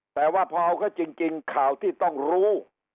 แต่ว่าพอเอาเขาจริงข่าวที่ต้องรู้